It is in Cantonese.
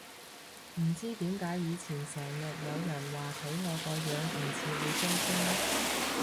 唔知點解以前成日有人話睇我個樣唔似會追星